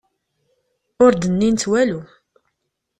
Ur d-nnint walu.